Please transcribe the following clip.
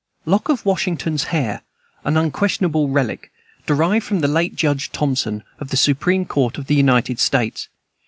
Lock of Washington's hair an unquestionable relic derived from the late Judge Thompson, of the supreme court of the United States.